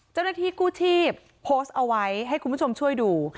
เจ้าหน้าที่กู้ชีพโพสต์เอาไว้ให้คุณผู้ชมช่วยดู